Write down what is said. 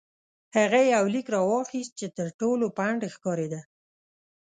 هغه یو لیک راواخیست چې تر ټولو پڼد ښکارېده.